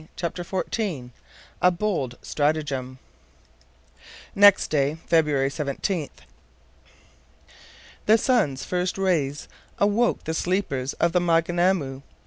CHAPTER XIV A BOLD STRATAGEM NEXT day, February 17th, the sun's first rays awoke the sleepers of the Maunganamu.